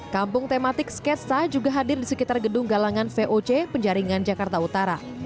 kampung tematik sketsa juga hadir di sekitar gedung galangan voc penjaringan jakarta utara